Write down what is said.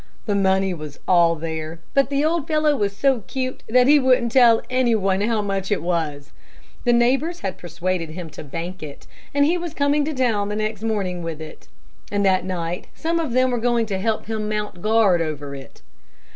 The money was all there, but the old fellow was so cute that he wouldn't tell any one how much it was. The neighbors had persuaded him to bank it, and he was coming to town the next morning with it, and that night some of them were going to help him mount guard over it.